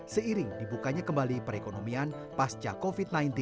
seiring dibukanya kembali perekonomian pasca covid sembilan belas